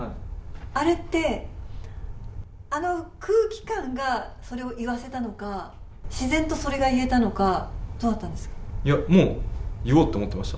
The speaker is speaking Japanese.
あれって、あの空気感がそれを言わせたのか、自然とそれが言えたいや、もう、言おうと思ってました。